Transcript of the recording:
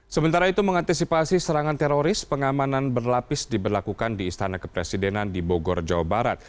sementara itu mengantisipasi serangan teroris pengamanan berlapis diberlakukan di istana kepresidenan di bogor jawa barat